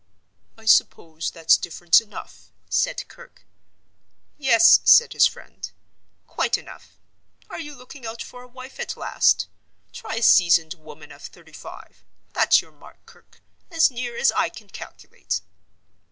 "I suppose that's difference enough?" said Kirke. "Yes," said his friend; "quite enough. Are you looking out for a wife at last? Try a seasoned woman of thirty five—that's your mark, Kirke, as near as I can calculate."